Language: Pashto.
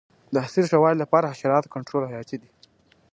د حاصل د ښه والي لپاره د حشراتو کنټرول حیاتي دی.